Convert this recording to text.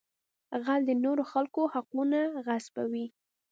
غل د نورو خلکو حقونه غصبوي